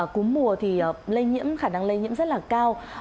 cúm mùa thì lây nhiễm khả năng lây nhiễm rất là cao